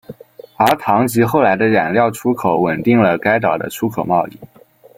而糖及后来的染料出口稳定了该岛的出口贸易。